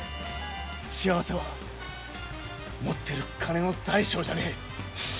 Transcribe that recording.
幸せは持ってる金の大小じゃねえ。